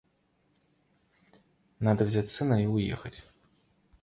Надо взять сына и уехать.